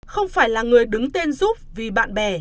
không phải là người đứng tên giúp vì bạn bè